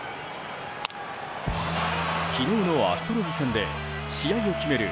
昨日のアストロズ戦で試合を決める